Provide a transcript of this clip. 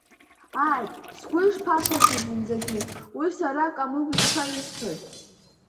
Ааит, сгәы ишԥаҭашәеи зынӡагьы, уи сара Камыгә дышԥаисҭои?